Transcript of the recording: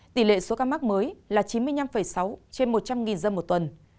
tỷ lệ số ca mắc mới là chín mươi năm sáu trên một trăm linh dân một tuần